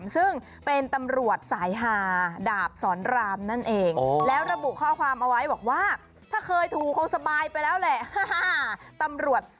ซึ่งเป็นตำรวจสายหา